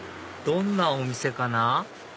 どんなお店かな？